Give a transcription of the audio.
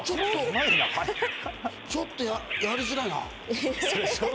ちょっとやりづらいな。